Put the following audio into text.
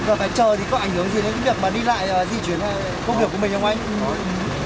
thế việc phải chờ thì có ảnh hưởng gì đến việc đi lại di chuyển công việc của mình không anh